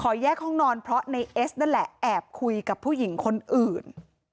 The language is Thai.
แยกห้องนอนเพราะในเอสนั่นแหละแอบคุยกับผู้หญิงคนอื่น